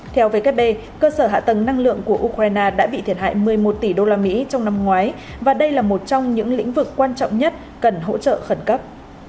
theo vkp cơ sở hạ tầng năng lượng của ukraine đã bị thiệt hại một mươi một tỷ usd trong năm ngoái và đây là một trong những lĩnh vực quan trọng nhất cần hỗ trợ khẩn cấp